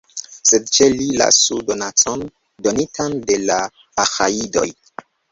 Sed ĉe li lasu donacon, donitan de la Aĥajidoj.